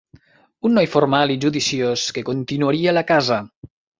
Un noi formal i judiciós que continuaria la casa